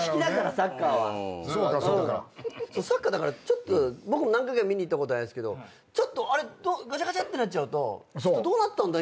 サッカー僕も何回か見に行ったことあるんですけどちょっとガチャガチャってなっちゃうとどうなったんだ？